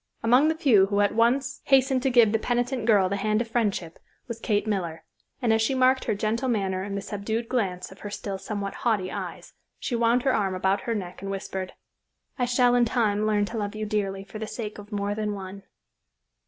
Among the few who at once hastened to give the penitent girl the hand of friendship was Kate Miller; and as she marked her gentle manner and the subdued glance of her still somewhat haughty eyes, she wound her arm about her neck and whispered, "I shall in time learn to love you dearly for the sake of more than one."